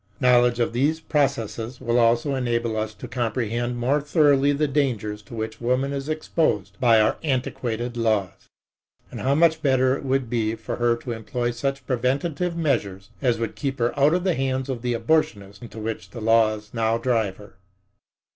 Knowledge of these processes will also enable us to comprehend more thoroughly the dangers to which woman is exposed by our antiquated laws, and how much better it would be for her to employ such preventive measures as would keep her out of the hands of the abortionist, into which the laws now drive her.